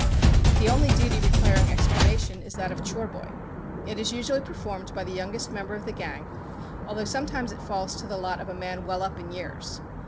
The only duty requiring explanation is that of chore boy. It is usually performed by the youngest member of the gang, although sometimes it falls to the lot of a man well up in years.